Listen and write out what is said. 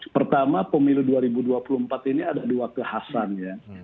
pertama pemilu dua ribu dua puluh empat ini ada dua kekhasan ya